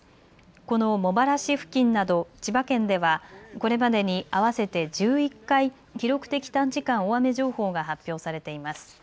この茂原市付近など千葉県ではこれまでに合わせて１１回、記録的短時間大雨情報が発表されています。